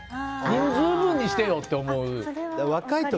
人数分にしてよって思う。